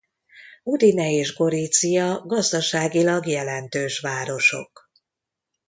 Udine és Gorizia gazdaságilag jelentős városok.